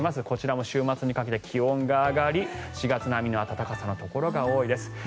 こちらも週末にかけて気温が上がり４月並みの暖かさのところが多いです。